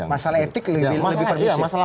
masalah etik lebih permisif